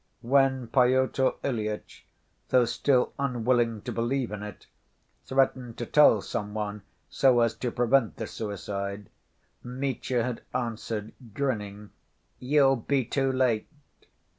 When Pyotr Ilyitch, though still unwilling to believe in it, threatened to tell some one so as to prevent the suicide, Mitya had answered grinning: "You'll be too late."